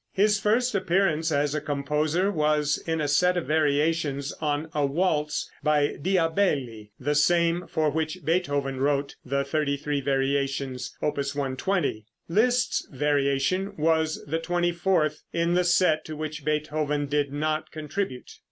His first appearance as a composer was in a set of variations on a waltz by Diabelli, the same for which Beethoven wrote the thirty three variations, Opus 120. Liszt's variation was the twenty fourth in the set to which Beethoven did not contribute.